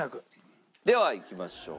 ではいきましょう。